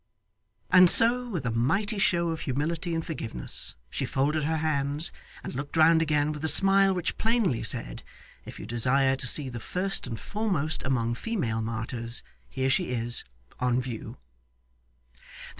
And so, with a mighty show of humility and forgiveness, she folded her hands, and looked round again, with a smile which plainly said, 'If you desire to see the first and foremost among female martyrs, here she is, on view!